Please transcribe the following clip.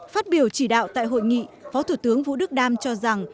phát biểu chỉ đạo tại hội nghị phó thủ tướng vũ đức đam cho rằng